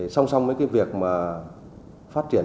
song song với việc phát triển